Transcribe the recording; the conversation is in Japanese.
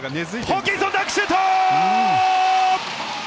ホーキンソン、ダンクシュート！